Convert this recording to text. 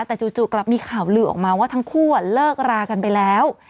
แต่จู่กลับมีข่าวลือออกมาว่าทั้งคู่เลิกรากันไปแล้ว